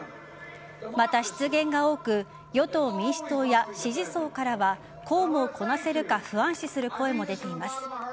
また、失言が多く与党・民主党や支持層からは公務をこなせるか不安視する声も出ています。